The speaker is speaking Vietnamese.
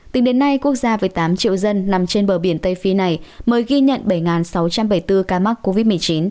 tính đến nay quốc gia với tám triệu dân nằm trên bờ biển tây phi này mới ghi nhận bảy sáu trăm bảy mươi bốn ca mắc covid một mươi chín